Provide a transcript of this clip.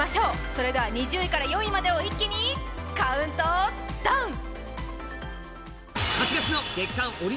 それでは２０位から４位までをカウントダウン！